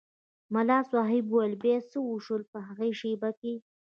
ملا صاحب وویل بیا څه وشول په هغې شېبه کې.